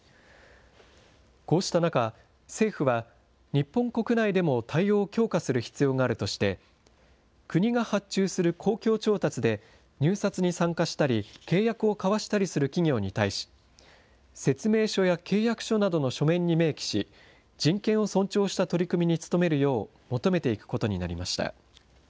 こうした中、政府は、日本国内でも対応を強化する必要があるとして、国が発注する公共調達で入札に参加したり、契約を交わしたりする企業に対し、説明書や契約書などの書面に明記し、人権を尊重した取り組みに努めるよう、求めていくことになりました。